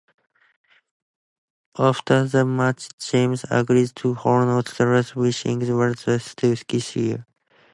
After the match, James agreed to honor Stratus' wishes and attempted to kiss her.